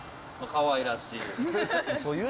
かわいらしい。